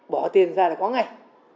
bỏ tiền ra là có ngay